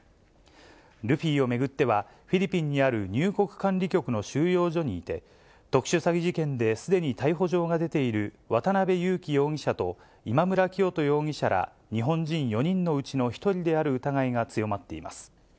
ルフィを巡っては、フィリピンにある入国管理局の収容所にいて、特殊詐欺事件ですでに逮捕状が出ている渡辺優樹容疑者と今村磨人容疑者ら日本人４人のうちの１人である疑いが強まっています。